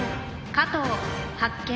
加藤発見。